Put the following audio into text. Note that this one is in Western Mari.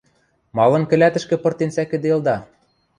Малын кӹлӓтӹшкӹ пыртен сӓкӹделда?